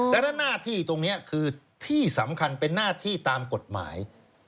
ดังนั้นหน้าที่ตรงนี้คือที่สำคัญเป็นหน้าที่ตามกฎหมาย